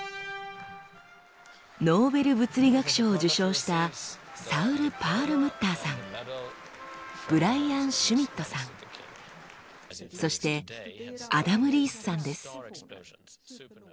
ノーベル物理学賞を受賞したサウル・パールムッターさんブライアン・シュミットさんそしてアダム・リースさんです。